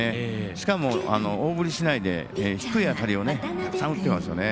しかも大振りしないで低い当たりをたくさん打ってますね。